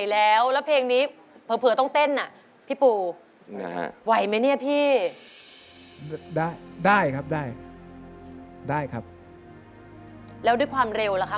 แล้วเพลงคือมุม